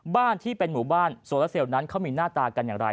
บ้านที่เป็นหมู่บ้านโซลาเซลนั้นเขามีหน้าตากันอย่างไร